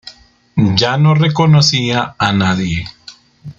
Ya no reconocía a nadie.